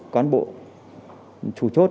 quán bộ chủ trương